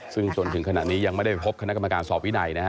ซึ่งจนถึงขณะนี้ยังไม่ได้ไปพบคณะกรรมการสอบวินัยนะฮะ